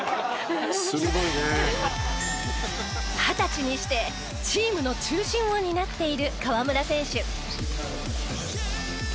二十歳にしてチームの中心を担っている河村選手。